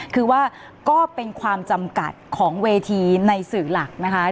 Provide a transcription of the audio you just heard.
คือว่าก็เป็นความจำกัดของเวทีในสื่อหลักนะคะ